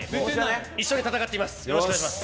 一緒に戦ってます。